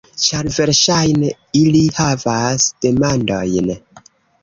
Ĉar versaĵne ili havas demandojn